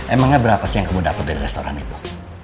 emangnya berapa sih yang kamu dapat dari restoran itu